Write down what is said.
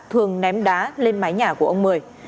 thường ném đá lên mái nhà của ông mười